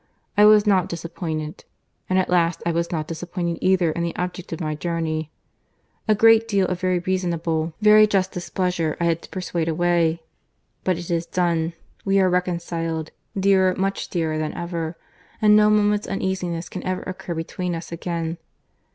—I was not disappointed; and at last I was not disappointed either in the object of my journey. A great deal of very reasonable, very just displeasure I had to persuade away. But it is done; we are reconciled, dearer, much dearer, than ever, and no moment's uneasiness can ever occur between us again.